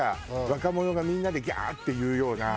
若者がみんなでギャー！っていうような。